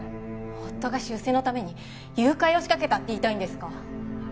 夫が出世のために誘拐を仕掛けたって言いたいんですか？